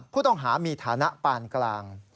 ผู้ต้องหามีฐานะปานกลาง